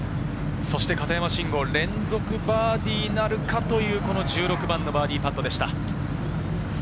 片山晋呉、連続バーディーなるかという１６番、バーディーパットでした。